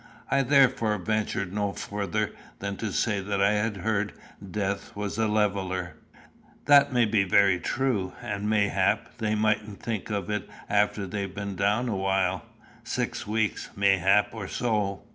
I therefore ventured no farther than to say that I had heard death was a leveller. "That be very true; and, mayhap, they mightn't think of it after they'd been down awhile six weeks, mayhap, or so.